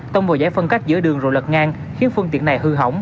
tông vào giải phân cách giữa đường rồi lật ngang khiến phương tiện này hư hỏng